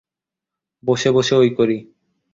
বসে বসে ঐ করি।